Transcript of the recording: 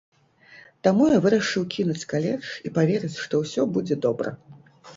Таму я вырашыў кінуць каледж і паверыць, што ўсё будзе добра.